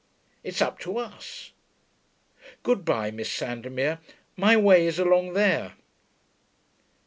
It's up to us.... Good bye, Miss Sandomir: my way is along there.'